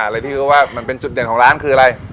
อะไรที่เขาว่ามันเป็นจุดเด่นของร้านคืออะไร